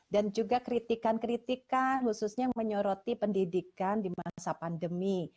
dan juga kritikan kritikan khususnya yang menyoroti pendidikan di masa pandemi